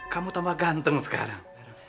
kamu tambah ganteng sekarang